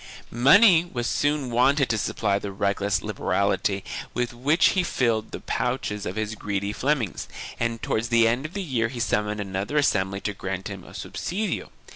Money was soon wanted to supply the reckless liber ality with which he filled the pouches of his greedy Flemings, and towards the end of the year he summoned another assembly to grant him a subsidio.